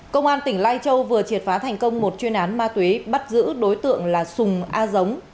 công an tỉnh lai châu vừa triệt phá thành công một chuyên án ma túy bắt giữ đối tượng là sùng a giống